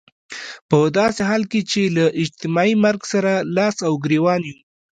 په داسې حال کې چې له اجتماعي مرګ سره لاس او ګرېوان يو.